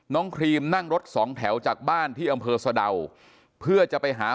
ครีมนั่งรถสองแถวจากบ้านที่อำเภอสะดาวเพื่อจะไปหา